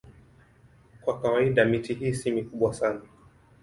Kwa kawaida miti hii si mikubwa sana.